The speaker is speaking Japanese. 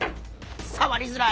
触りづらい！